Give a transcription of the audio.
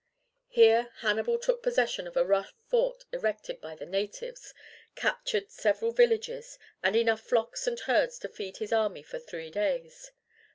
Here Hannibal took possession of a rough fort erected by the natives, captured several villages, and enough flocks and herds to feed his army for three days.